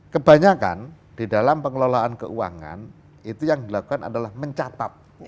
kebanyakan di dalam pengelolaan keuangan itu yang dilakukan adalah mencatat